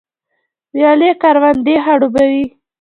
ویالې کروندې خړوبوي